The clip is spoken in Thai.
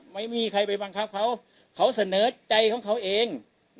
ไม่มีใครไปบังคับเขาเขาเสนอใจของเขาเอง